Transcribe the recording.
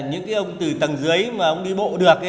những cái ông từ tầng dưới mà ông đi bộ được